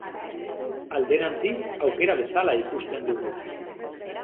Alderantziz, aukera bezala ikusten dugu.